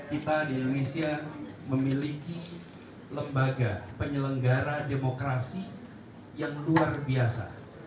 kita di indonesia memiliki lembaga penyelenggara demokrasi yang luar biasa